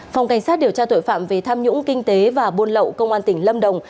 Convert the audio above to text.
phòng cảnh sát điều tra tội phạm về tham nhũng kinh tế và buôn lậu công an tỉnh lâm đồng